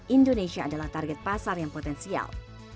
indonesia adalah target pasar yang potensial